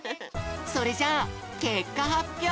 それじゃあけっかはっぴょう！